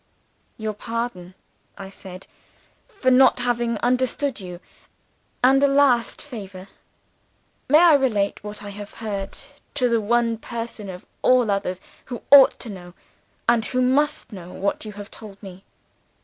"'Your pardon,' I said, 'for not having understood you and a last favor. May I repeat what I have heard to the one person of all others who ought to know, and who must know, what you have told me?